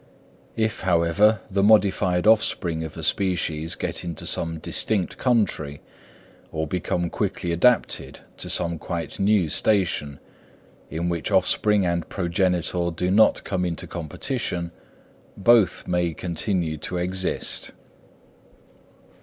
If, however, the modified offspring of a species get into some distinct country, or become quickly adapted to some quite new station, in which offspring and progenitor do not come into competition, both may continue to exist.